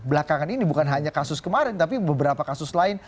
belakangan ini bukan hanya kasus kemarin tapi beberapa kasus lain